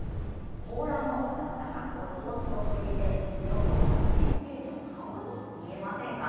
甲羅もなんだかごつごつとしていて強そうな弁慶の顔に見えませんか。